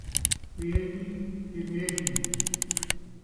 پیٹ ءِی کہ ٻیٹ ءِی